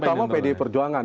terutama pd perjuangan